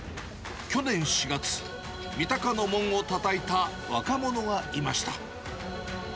去年４月、みたかの門をたたいた若者がいました。